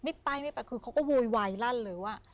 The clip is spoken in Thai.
ไปไม่ไปคือเขาก็โวยวายลั่นเลยว่า